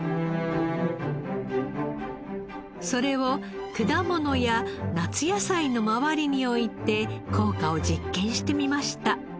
それを果物や夏野菜の周りに置いて効果を実験してみました。